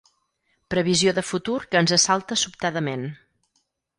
Previsió de futur que ens assalta sobtadament.